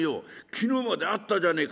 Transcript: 「昨日まであったじゃねえか」。